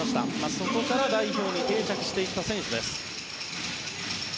そこから代表に定着していった選手です。